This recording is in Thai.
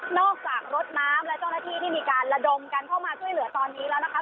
อกจากรถน้ำและเจ้าหน้าที่ที่มีการระดมกันเข้ามาช่วยเหลือตอนนี้แล้วนะคะ